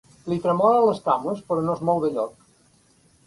Li tremolen les cames però no es mou de lloc.